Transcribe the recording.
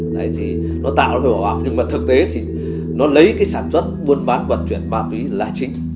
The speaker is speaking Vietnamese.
nó tạo ra một vỏ bọc nhưng mà thực tế thì nó lấy sản xuất buôn bán vận chuyển ma túy là chính